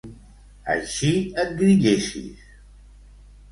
Així et grillessis!